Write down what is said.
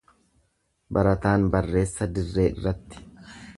Barataan barreessa dirree irratti.